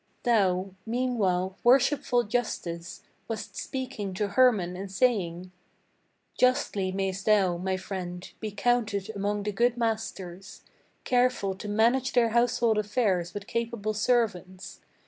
Thou, meanwhile, worshipful justice, wast speaking to Hermann and saying: "Justly mayst thou, my friend, be counted among the good masters, Careful to manage their household affairs with capable servants.